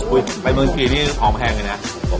อุ๊ยไปเมือง่ทีเนี่ยได้หอมแห่งเลยนะ